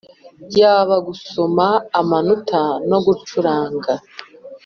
yaba gusoma amanota no gucuranga